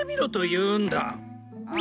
うん。